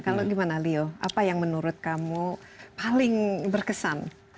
kalau gimana lio apa yang menurut kamu paling berkesan